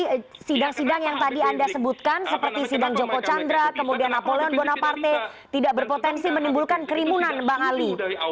jadi sidang sidang yang tadi anda sebutkan seperti sidang joko chandra kemudian napoleon bonaparte tidak berpotensi menimbulkan kerumunan bang ali